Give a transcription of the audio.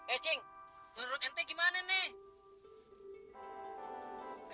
eh cing menurut ente gimana nih